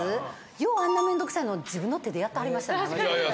ようあんな面倒くさいのを自分の手でやってはりましたね